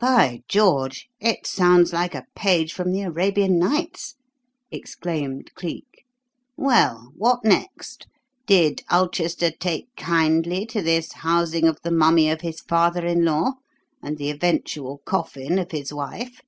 "By George! it sounds like a page from the 'Arabian Nights,'" exclaimed Cleek. "Well, what next? Did Ulchester take kindly to this housing of the mummy of his father in law and the eventual coffin of his wife?